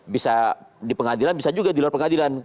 bisa di pengadilan bisa juga di luar pengadilan